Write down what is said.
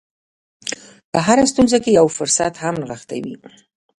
په هره ستونزه کې یو فرصت هم نغښتی وي